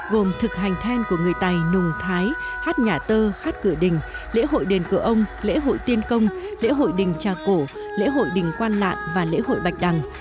gồm thực hành then của người tài nùng thái hát nhà tơ hát cửa đình lễ hội đền cửa ông lễ hội tiên công lễ hội đình trà cổ lễ hội đình quan lạn và lễ hội bạch đằng